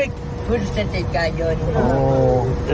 คุณสติกายน